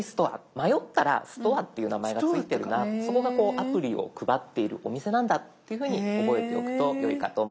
迷ったら「ストア」っていう名前が付いてるなそこがアプリを配っているお店なんだっていうふうに覚えておくとよいかと。